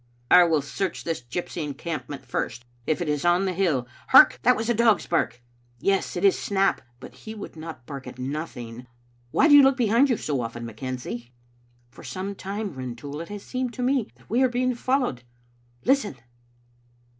" I will search this gypsy encampment first, if it is on the hill. Hark! that was a dog's bark. Yes, it is Snap; but he would not bark at nothing. Why do you look behind you so often, McKenzie?" " For some time, Rintoul, it has seemed to me that we are being followed. Listen!"